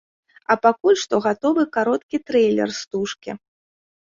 А пакуль што гатовы кароткі трэйлер стужкі.